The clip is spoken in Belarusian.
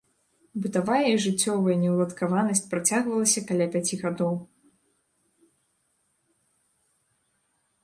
Бытавая і жыццёвая неўладкаванасць працягвалася каля пяці гадоў.